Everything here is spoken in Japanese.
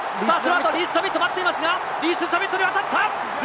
リース＝ザミットが待っていますが、リース＝ザミットに渡った！